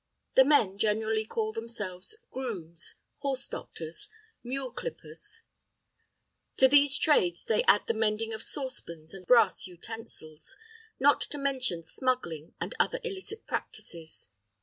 The men generally call themselves grooms, horse doctors, mule clippers; to these trades they add the mending of saucepans and brass utensils, not to mention smuggling and other illicit practices.